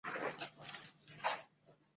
另外美术室及体育部增设冷气。